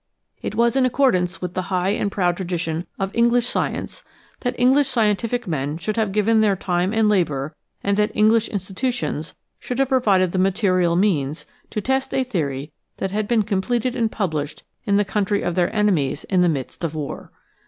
It was in accordance with the high and proud tradition of English science that English scientific men should have given their time and labor, and that English institutions should have provided the material means, to test a theory that had been completed and published in the country of their enemies in the midst of war.